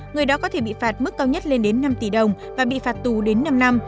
người đó có thể bị phạt mức cao nhất lên đến năm tỷ đồng và bị phạt tù đến năm năm